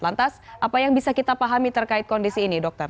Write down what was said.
lantas apa yang bisa kita pahami terkait kondisi ini dokter